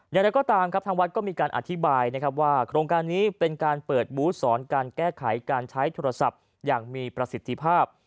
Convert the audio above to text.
อย่างไรก็ตามครับทางวัดก็มีการอธิบายนะครับว่าโครงการนี้เป็นการเปิดบูธสอนการแก้ไขการใช้โทรศัพท์อย่างมีประสิทธิภาพ